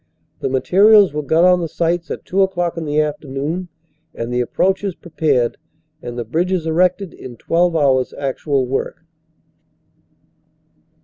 The materials were got on the sites at two o clock in the afternoon, and the ap proaches prepared and the bridges erected in 12 hours actual work.